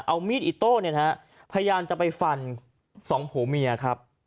เอามีดอิโต้เนี่ยนะฮะพยายามจะไปฟันสองผัวเมียครับ